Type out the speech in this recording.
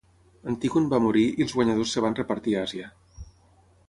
Antígon va morir i els guanyadors es van repartir Àsia.